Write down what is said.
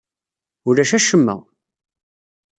Ulac acemma!